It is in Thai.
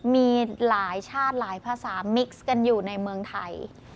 มีหลายชาติหลายภาษามิกซ์กันอยู่ในเมืองไทย